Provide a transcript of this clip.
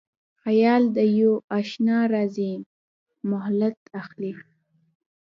خیال د یواشنا راځی مهلت اخلي